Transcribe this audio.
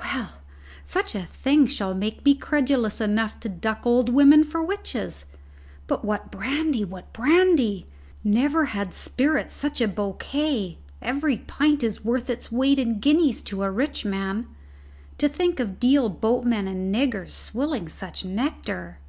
"Well, such a thing shall make me credulous enough to duck old women for witches. But what brandy what brandy! Never had spirit such a bouquet. Every pint is worth its weight in guineas to a rich man. To think of Deal boatmen and niggers swilling such nectar!"